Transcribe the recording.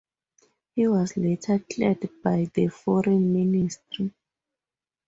He was later cleared by the Foreign Ministry.